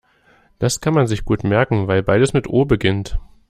Das kann man sich gut merken, weil beides mit O beginnt.